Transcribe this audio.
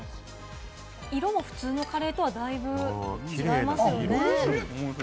色も普通のカレーとはだいぶ違いますよね。